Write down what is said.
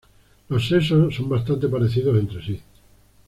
Los sexos son bastante parecidos entre sí.